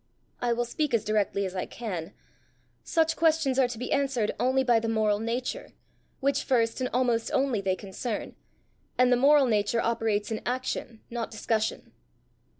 "I will speak as directly as I can: such questions are to be answered only by the moral nature, which first and almost only they concern; and the moral nature operates in action, not discussion."